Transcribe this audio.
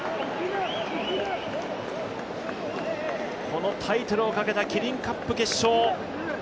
このタイトルをかけたキリンカップ決勝。